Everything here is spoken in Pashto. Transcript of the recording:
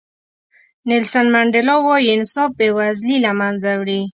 نیلسن منډیلا وایي انصاف بې وزلي له منځه وړي.